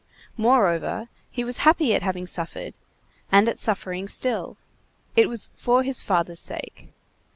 Moreover, he was happy at having suffered, and at suffering still. It was for his father's sake.